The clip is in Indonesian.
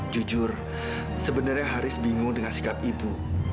jujur sebenarnya haris bingung dengan sikap ibu